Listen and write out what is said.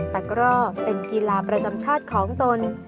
กร่อเป็นกีฬาประจำชาติของตน